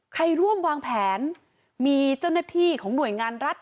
ร่วมวางแผนมีเจ้าหน้าที่ของหน่วยงานรัฐ